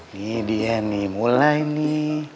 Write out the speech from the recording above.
ini dia nih mulai nih